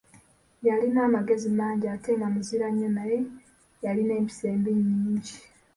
Yalina amagezi mangi, ate nga muzira nnyo, naye yalina empisa embi nnyingi.